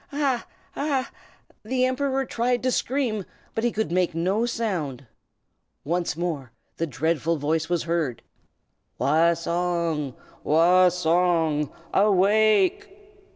Ah! ah! The Emperor tried to scream, but he could make no sound. Once more the dreadful voice was heard: "Wah Song! Wah Song! Awake!"